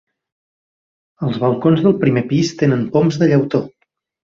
Els balcons del primer pis tenen poms de llautó.